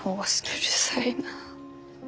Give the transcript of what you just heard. うるさいな。